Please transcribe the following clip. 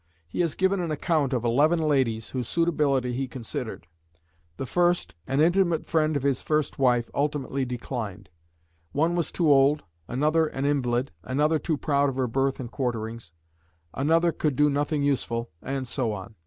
He has given an account of eleven ladies whose suitability he considered. The first, an intimate friend of his first wife, ultimately declined; one was too old, another an invalid, another too proud of her birth and quarterings, another could do nothing useful, and so on.